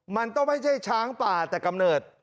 มันต้องไม่ใช่ช้างป่าแต่กำเนิด